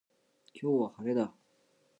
今日は、晴れだ。